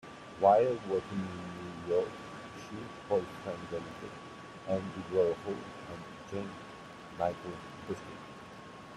While working in New York, she befriended Andy Warhol and Jean-Michel Basquiat.